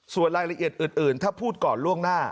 ส่วนรายละเอียดอื่นถ้าพูดก่อนล่วงหน้า